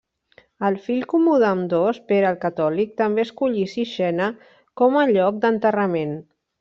El fill comú d'ambdós, Pere el Catòlic, també escollí Sixena com a lloc d'enterrament.